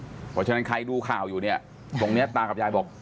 เพราะฉะนั้นใครดูข่าวอยู่เนี่ยตรงนี้ตากับยายบอก